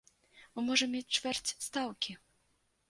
Мы можам мець чвэрць стаўкі.